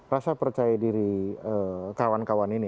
rasa percaya diri kawan kawan ini